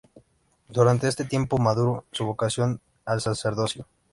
Durante este tiempo, maduró su vocación al sacerdocio.